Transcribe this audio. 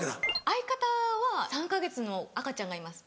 相方は３か月の赤ちゃんがいます。